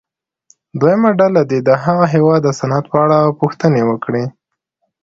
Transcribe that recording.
دویمه ډله دې د هغه هېواد د صنعت په اړه پوښتنې وکړي.